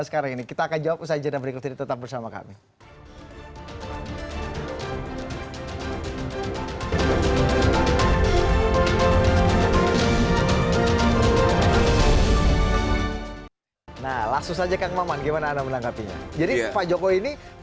silahkan melihat rekam jejak pak jokowi